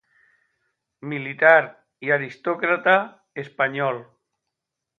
Militar y aristócrata español.